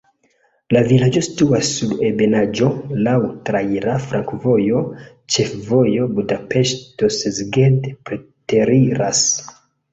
La vilaĝo situas sur ebenaĵo, laŭ traira flankovojo, ĉefvojo Budapeŝto-Szeged preteriras.